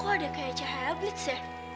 kok ada kayak cahaya blitze